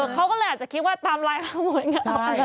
เขาก็เลยอาจจะคิดว่าตามไลน์ข้างบนก็ได้